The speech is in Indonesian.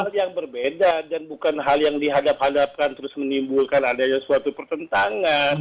hal yang berbeda dan bukan hal yang dihadap hadapkan terus menimbulkan adanya suatu pertentangan